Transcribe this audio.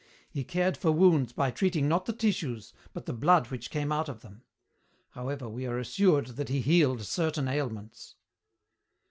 He cared for wounds by treating not the tissues, but the blood which came out of them. However, we are assured that he healed certain ailments."